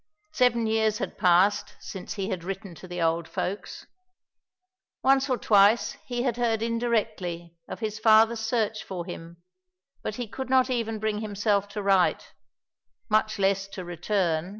Seven years had passed since he had written to the old folks. Once or twice he had heard indirectly of his father's search for him, but he could not even bring himself to write, much less to return.